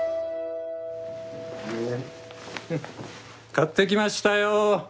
買ってきましたよ。